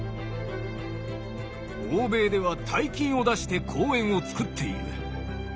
「欧米では大金を出して公園を作っている」。